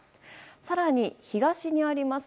更に東にあります